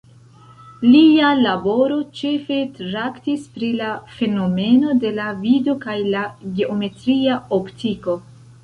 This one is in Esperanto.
Lia laboro ĉefe traktis pri la fenomeno de la vido kaj la geometria optiko.